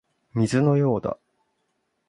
水のようだ